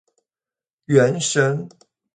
原神